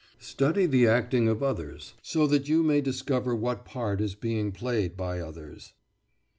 Study the acting of others, so that you may discover what part is being played by others.